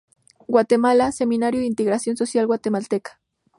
Guatemala: Seminario de Integración Social Guatemalteca.